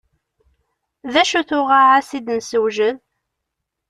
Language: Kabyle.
D acu-t uɣaɛas i d-nessewjed?